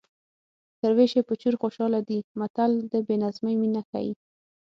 تر وېش یې په چور خوشحاله دی متل د بې نظمۍ مینه ښيي